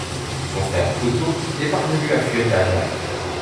Son frère Otto est parvenu à fuir l'Allemagne.